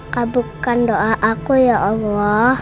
kabukkan doa aku ya allah